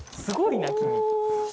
すごいな君。